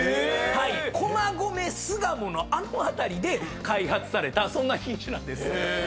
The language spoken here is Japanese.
駒込巣鴨のあの辺りで開発されたそんな品種なんです。